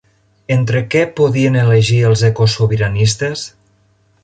Entre què podien elegir els ecosobiranistes?